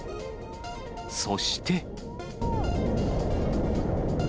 そして。